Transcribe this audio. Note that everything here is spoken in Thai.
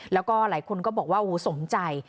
แล้วก็หลายคนก็บอกว่าโอ้โหสมใจ